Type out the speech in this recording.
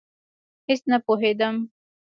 هېڅ نه پوهېدم.